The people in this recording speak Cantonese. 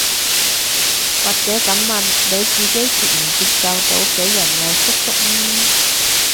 或者噉問，你自己接唔接受到被人嗌叔叔姨姨